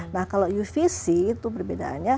nah kalau uvc itu perbedaannya